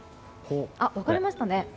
分かれましたね。